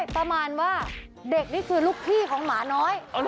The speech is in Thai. ประมาณว่าเด็กนี่คือลูกพี่ของหมาน้อย